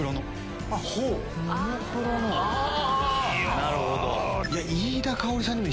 なるほど。